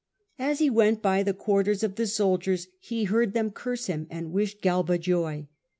As he went by the house, quarters of the soldiers he heard them curse him and wish Galba joy.